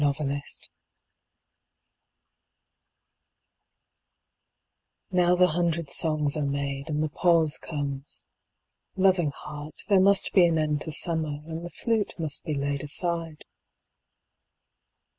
55 EPILOGUE Now the hundred songs are made, And the pause comes. Loving Heart, There must be an end to summer, And the flute be laid aside.